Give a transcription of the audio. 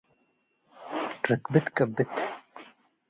ርክብት ቅብት።